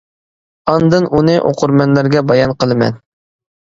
ئاندىن ئۇنى ئوقۇرمەنلەرگە بايان قىلىمەن.